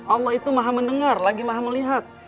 allah itu maha mendengar lagi maha melihat